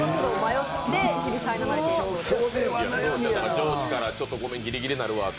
上司からちょっとごめんギリギリになるわって